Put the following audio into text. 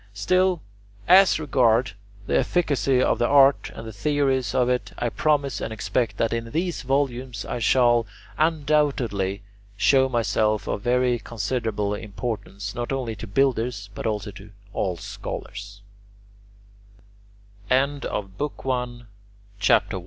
Still, as regards the efficacy of the art and the theories of it, I promise and expect that in these volumes I shall undoubtedly show myself of very considerable importance not only to builders but also to all schola